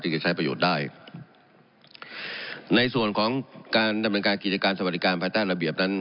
จะใช้ประโยชน์ได้ในส่วนของการดำเนินการกิจการสวัสดิการภายใต้ระเบียบนั้น